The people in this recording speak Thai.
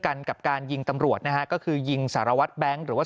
กันกับการยิงตำรวจนะฮะก็คือยิงสารวัตรแบงค์หรือว่า